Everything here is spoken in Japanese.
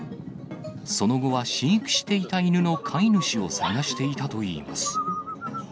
その後は飼育していた犬の飼い主を探していたといいます。